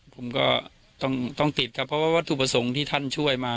ผมก็ต้องติดครับเพราะว่าวัตถุประสงค์ที่ท่านช่วยมา